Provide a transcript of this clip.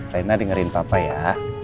rena dengerin papa ya